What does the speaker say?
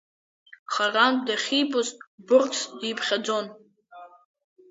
Харантә дахьибоз быргс диԥхьаӡон.